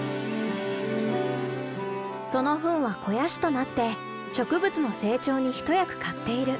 そのフンは肥やしとなって植物の成長に一役買っている。